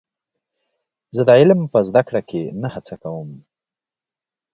زه د علم په زده کړه کې نه هڅه کوم.